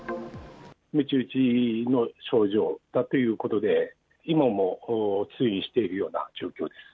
むち打ちの症状だということで、今も通院しているような状況です。